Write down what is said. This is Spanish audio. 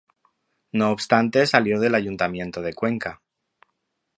No obstante salió del ayuntamiento de Cuenca.